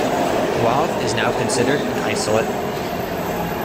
Huave is now considered an isolate.